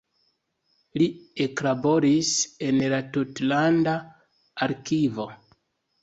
Li eklaboris en la tutlanda arkivo.